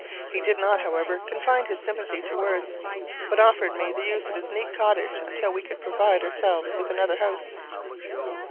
He did not, however, confine his sympathy to words, but offered me the use of his neat cottage until we could provide ourselves with another house.